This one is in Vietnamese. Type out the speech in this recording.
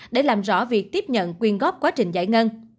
để làm rõ việc tiếp nhận quyên góp quá trình giải ngân